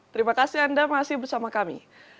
terima kasih anda masih bersama kami